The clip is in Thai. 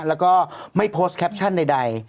แล้วก็ไม่โพสต์แคปชั่นใด